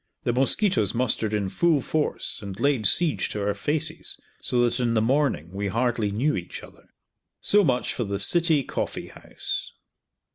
The mosquitoes mustered in full force and laid siege to our faces, so that in the morning we hardly knew each other. So much for the City Coffee House.